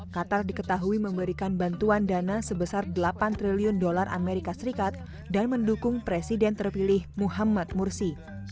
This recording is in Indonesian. qatar diketahui memberikan bantuan dana sebesar delapan triliun dolar amerika serikat dan mendukung presiden terpilih muhammad mursi